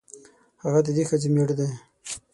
هغه د دې ښځې مېړه دی.